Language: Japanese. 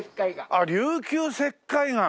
ああ琉球石灰岩。